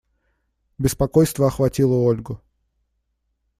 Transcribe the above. Беспокойство охватило Ольгу.